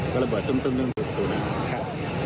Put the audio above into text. ก็ระเบิดซึมซึมอึมเดี๋ยวให้ทุ่นนั้น